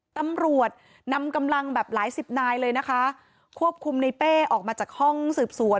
ตำรวจนำกำลังแบบหลายสิบนายเลยนะคะควบคุมในเป้ออกมาจากห้องสืบสวน